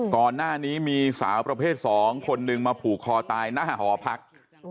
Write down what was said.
ก่อนหน้านี้มีสาวประเภท๒คนหนึ่งมาผูกคอตายหน้าหอพัก